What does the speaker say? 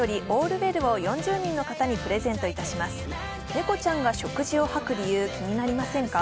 猫ちゃんが食事を吐く理由、気になりませんか？